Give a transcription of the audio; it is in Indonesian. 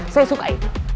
saya suka itu